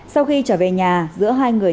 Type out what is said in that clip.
sau khi trở về nhà giữa hai người